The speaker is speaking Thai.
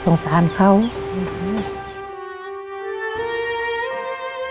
ก็ยังดีว่ามีคนมาดูแลน้องเติร์ดให้